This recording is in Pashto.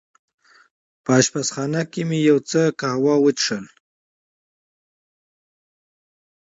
په اشپزخانه کې مې یو څه قهوه وڅېښل.